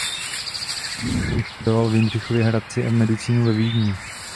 Gymnázium studoval v Jindřichově Hradci a medicínu ve Vídni.